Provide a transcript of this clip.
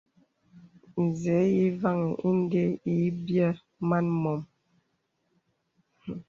Nzə̄ ǐ vaŋì inde ǐ byɛ̌ man mom.